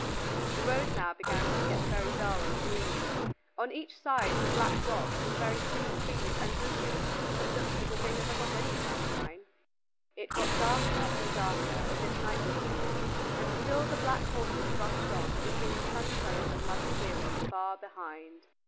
The road now began to get very dull and gloomy. On each side were black rocks and very thick trees and bushes that looked as if they never got any sunshine. It got darker and darker, as if night was coming, and still the black horses rushed on leaving the sunny home of Mother Ceres far behind.